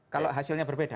kalau hasilnya berbeda